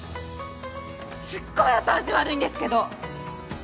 すっごい後味悪いんですけど。